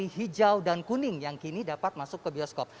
hijau dan kuning yang kini dapat masuk ke bioskop